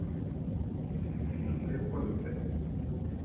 Il ne voulait point de paix.